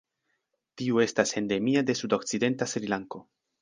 Tiu estas endemia de sudokcidenta Srilanko.